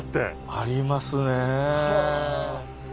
ありますねえ。